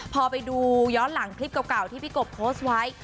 พอไปดูย้อนหลังคลิปเก่าที่พี่กบโพสต์ไว้